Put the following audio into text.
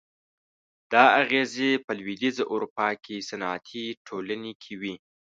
دا اغېزې په لوېدیځه اروپا کې صنعتي ټولنې کې وې.